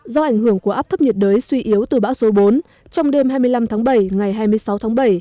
do ảnh hưởng của áp thấp nhiệt đới suy yếu từ bão số bốn trong đêm hai mươi năm tháng bảy ngày hai mươi sáu tháng bảy